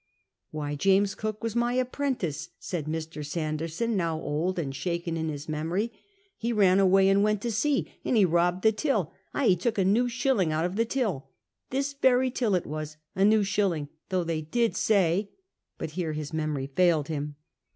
"Why, James Cook was my apprentice!" said Mr. Sanderson, now old and shaken in his memory. " He I ms MEMORY GREEN *7 ran away and went to sea, and he robbed the till ; ay, he took a new shilling out of the till. This very till it was — a new shilling. Though they did say But here his memory failed him.